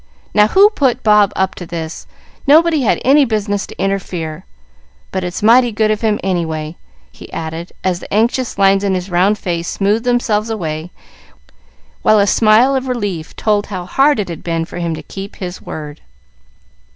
"Now who put Bob up to this? Nobody had any business to interfere but it's mighty good of him, anyway," he added, as the anxious lines in his round face smoothed themselves away, while a smile of relief told how hard it had been for him to keep his word.